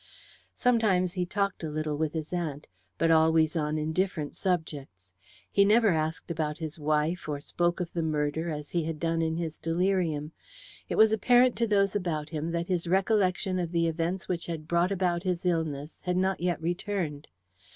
Sometimes he talked a little with his aunt, but always on indifferent subjects. He never asked about his wife, or spoke of the murder, as he had done in his delirium. It was apparent to those about him that his recollection of the events which had brought about his illness had not yet returned.